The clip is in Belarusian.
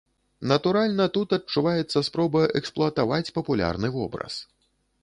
Натуральна, тут адчуваецца спроба эксплуатаваць папулярны вобраз.